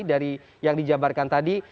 dari yang dijabarkan tadi